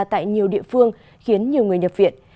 tại nhiều địa phương khiến nhiều người nhập viện